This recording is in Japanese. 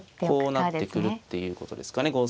こうなってくるっていうことですかね。